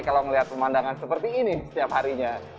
kalau melihat pemandangan seperti ini setiap harinya